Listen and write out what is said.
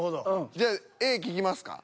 じゃあＡ聞きますか？